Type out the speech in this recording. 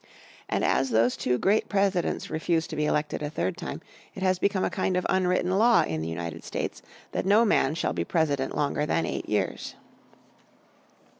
And as those two great presidents refused to be elected a third time it has become a kind of unwritten law in the United States that no man shall be president longer than eight years.